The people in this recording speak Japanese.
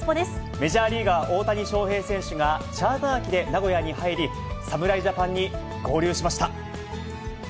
メジャーリーガー、大谷翔平選手がチャーター機で名古屋に入り、侍ジャパンに合流しました。